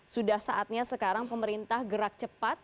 sudah saatnya sekarang pemerintah gerak cepat